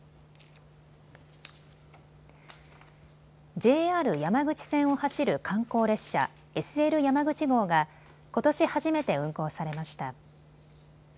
ＪＲ山口線を走る観光列車、ＳＬやまぐち号がことし初めて運行されました。